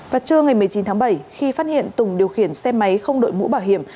và trưa ngày một mươi chín tháng bảy khi phát hiện tùng điều khiển xe máy không đội mũ bảo hiểm